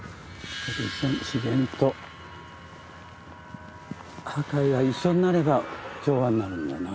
自然と破壊が一緒になれば調和になるんだな。